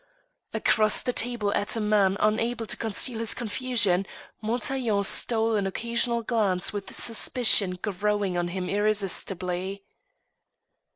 Across the table at a man unable to conceal his confusion Montaiglon stole an occasional glance with suspicion growing on him irresistibly.